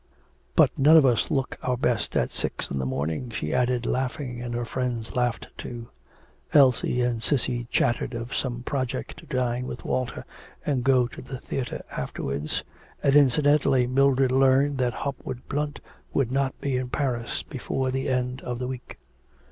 'But none of us look our best at six in the morning,' she added laughing, and her friends laughed too. Elsie and Cissy chattered of some project to dine with Walter, and go to the theatre afterwards, and incidentally Mildred learnt that Hopwood Blunt would not be in Paris before the end of the week.